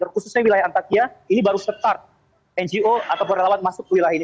terkhususnya wilayah antakya ini baru start ngo atau relawan masuk ke wilayah ini